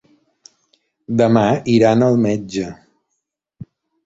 Demà iran al metge.